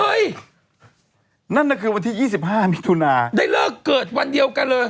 นั่นน่ะคือวันที่๒๕มิถุนาได้เลิกเกิดวันเดียวกันเลย